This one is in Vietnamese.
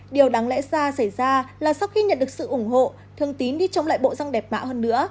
điều đáng lẽ ra xảy ra là sau khi nhận được sự ủng hộ thường tín đi trong lại bộ răng đẹp mạ hơn nữa